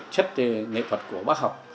chất nghệ thuật của bác học